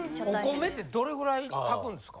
お米ってどれぐらい炊くんですか？